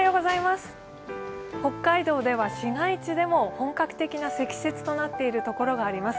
北海道では市街地でも本格的な積雪となっている所があります。